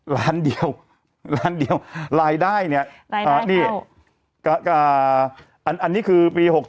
ร้านเดียวร้านเดียวรายได้เนี่ยอ่านี่อ่าอันอันนี้คือปีหก